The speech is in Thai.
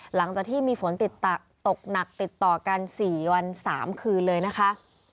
หลังจากที่มีฝนตกหนักติดต่อกัน๔วัน๓คืนเลยนะคะ